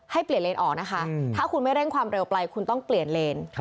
ให้เปลี่ยนเลนออกนะคะถ้าคุณไม่เร่งความเร็วไปคุณต้องเปลี่ยนเลน